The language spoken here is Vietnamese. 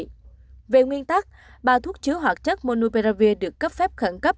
theo nguyên tắc ba thuốc chứa hoạt chất monopiravir được cấp phép khẩn cấp